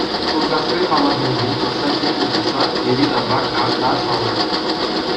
Шуркасси халӑхӗнчен укҫа-тенкӗ пухса йӗри-тавра карта ҫавӑртӑмӑр.